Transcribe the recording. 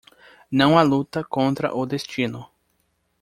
Não há luta contra o destino.